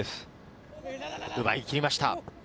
奪い切りました。